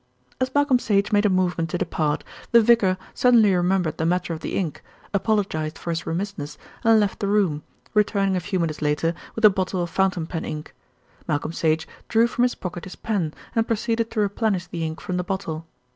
As Malcolm Sage made a movement to depart, the vicar suddenly remembered the matter of the ink, apologised for his remissness, and left the room, returning a few minutes later with a bottle of fountain pen ink. Malcolm Sage drew from his pocket his pen, and proceeded to replenish the ink from the bottle.